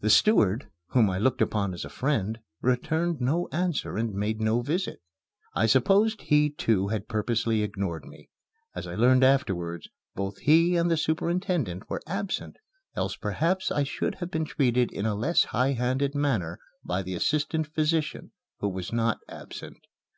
The steward, whom I looked upon as a friend, returned no answer and made no visit. I supposed he, too, had purposely ignored me. As I learned afterwards, both he and the superintendent were absent, else perhaps I should have been treated in a less high handed manner by the assistant physician, who was not absent.